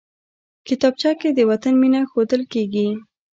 کتابچه کې د وطن مینه ښودل کېږي